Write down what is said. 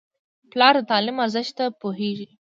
پلار د تعلیم ارزښت ته پوهېږي.